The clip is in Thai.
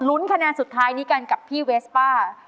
คะแนนสุดท้ายนี้กันกับพี่เวสป้า